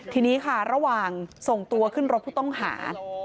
ทีนี้ค่ะระหว่างส่งตัวขึ้นรถผู้ต้องหา